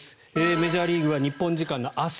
メジャーリーグは日本時間の明日